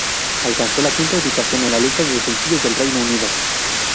Alcanzó la quinta ubicación en la lista lista de sencillos del Reino Unido.